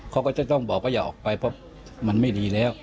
เขาก็จะต้องบอกว่าอย่าออกไปเพราะมันไม่ดีแล้ว